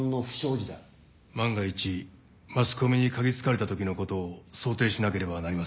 万が一マスコミに嗅ぎつかれたときのことを想定しなければなりませんね。